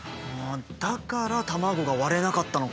だから卵が割れなかったのか。